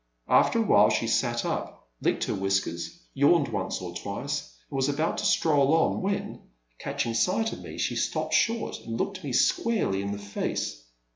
After a while she sat up, licked her whiskers, yawned once or twice, and was about to stroll on, when, catching sight of me, she stopped short and looked me squarely in the face.